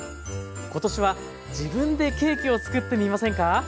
今年は自分でケーキを作ってみませんか。